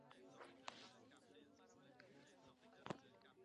ښځه د همدردۍ او مهربانۍ نښه ده.